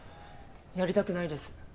やりたくないです。